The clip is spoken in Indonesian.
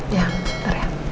ya sebentar ya